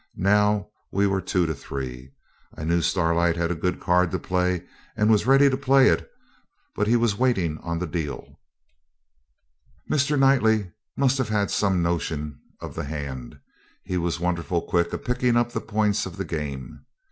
Now we were two to three. I knew Starlight had a good card to play, and was ready to play it, but he was waiting on the deal. Mr. Knightley must have had some sort of notion of the hand; he was wonderful quick at picking up the points of the game.